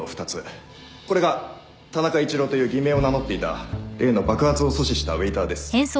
これが田中一郎という偽名を名乗っていた例の爆発を阻止したウエーターです。